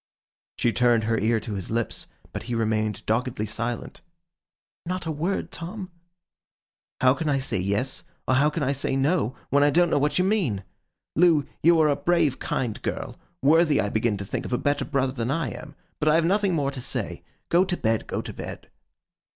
She turned her ear to his lips, but he remained doggedly silent. 'Not a word, Tom?' 'How can I say Yes, or how can I say No, when I don't know what you mean? Loo, you are a brave, kind girl, worthy I begin to think of a better brother than I am. But I have nothing more to say. Go to bed, go to bed.